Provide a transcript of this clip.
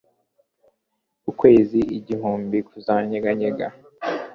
ukwezi igihumbi kuzanyeganyega